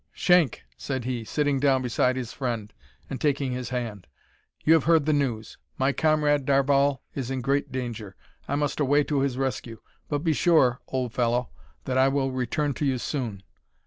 "Shank," said he, sitting down beside his friend and taking his hand, "you have heard the news. My comrade Darvall is in great danger. I must away to his rescue. But be sure, old fellow, that I will return to you soon."